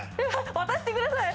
渡してください！